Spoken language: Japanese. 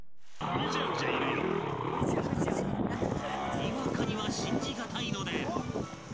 ［にわかには信じ難いので］